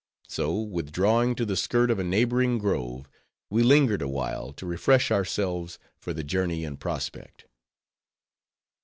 So withdrawing to the skirt of a neighboring grove, we lingered awhile, to refresh ourselves for the journey in prospect.